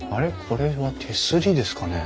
これは手すりですかね？